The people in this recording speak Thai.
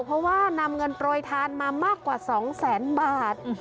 เพราะว่านำเงินโปรยทานมามากกว่า๒แสนบาท